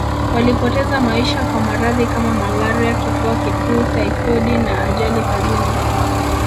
Walipoteza maisha kwa maradhi kama malaria Kifua kikuu taifodi na ajali kazini